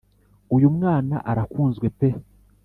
uyu mwana arakunzwe pe